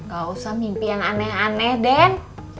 gak usah mimpi yang aneh aneh den